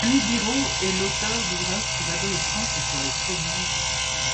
Annie Birraux est l'auteure d'ouvrages sur l'adolescence et sur les phobies.